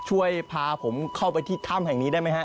ช่วยพาผมเข้าไปที่ถ้ำแห่งนี้ได้ไหมฮะ